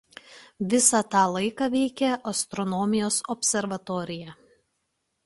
Visą tą laiką veikė Astronomijos observatorija.